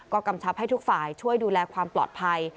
ก็กำชับให้ทุกฝ่ายช่วยดูแลความปลอดภัย